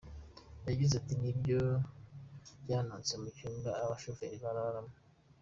Yagize ati “Nibyo, byabonetse mu cyumba abashoferi bararamo.